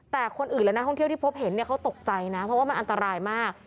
แต่คนอื่นและนักท่องเที่ยวที่พบเห็นเนี่ยเขาตกใจนะเพราะว่ามันอันตรายมาก